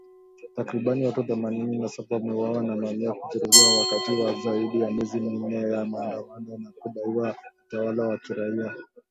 Takribani watu thamanini na saba wameuawa na mamia kujeruhiwa wakati wa zaidi ya miezi minne ya maandamano ya kudai utawala wa kiraia